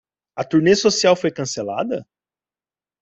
A turnê social foi cancelada?